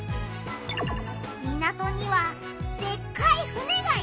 港にはでっかい船がいたな！